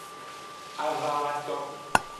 Avawoto.